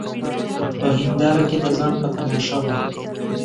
په هینداره کي د ځان په تماشا وه